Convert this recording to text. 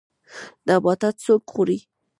نباتات څوک خوري